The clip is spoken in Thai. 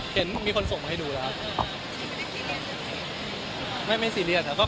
เห็นแล้วหรยัง